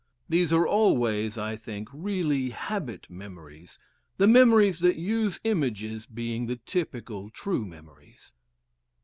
These are always, I think, really habit memories, the memories that use images being the typical true memories.